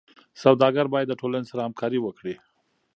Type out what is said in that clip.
سوداګر باید د ټولنې سره همکاري وکړي.